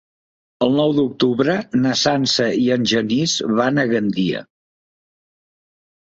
El nou d'octubre na Sança i en Genís van a Gandia.